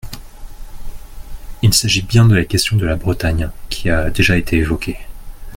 Il s’agit bien de la question de la Bretagne, qui a déjà été évoquée.